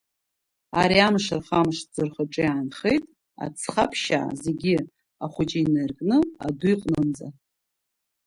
Ари амш рхамшҭӡо рхаҿы иаанхеит Аӡхаԥшьаа зегьы, ахәыҷы инаиркны, аду иҟнынӡа.